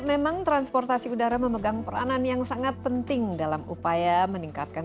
memang transportasi udara memegang peranan yang sangat penting dalam upaya meningkatkan